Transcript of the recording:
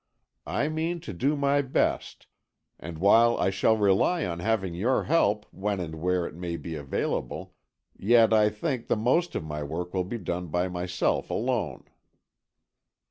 I mean to do my best, and while I shall rely on having your help when and where it may be available, yet I think the most of my work will be done by myself alone."